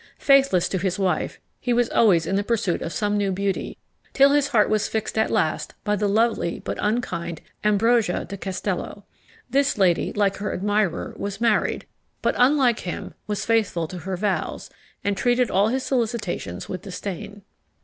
Faithless to his wife, he was always in the pursuit of some new beauty, till his heart was fixed at last by the lovely but unkind Ambrosia de Castello. This lady, like her admirer, was married; but, unlike him, was faithful to her vows, and treated all his solicitations with disdain.